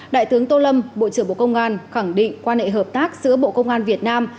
đại tướng tô lâm bộ trưởng bộ công an khẳng định quan hệ hợp tác giữa bộ công an việt nam